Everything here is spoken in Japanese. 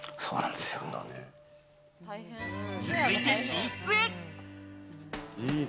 続いて寝室へ。